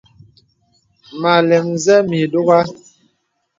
Mə alɛm zə̀ mì dùgha.